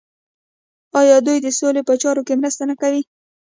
آیا دوی د سولې په چارو کې مرسته نه کوي؟